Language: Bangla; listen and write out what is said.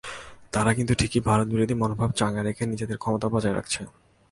তারা কিন্তু ঠিকই ভারতবিরোধী মনোভাব চাঙা রেখে নিজেদের ক্ষমতা বজায় রাখছে।